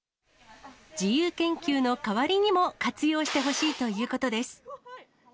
自由研究の代わりにも活用してほしいということです。